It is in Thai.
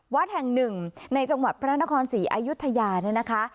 วัดแห่งหนึ่งในจังหวัดพระนครศรีอายุทยาเนี่ยนะคะ